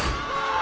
あ！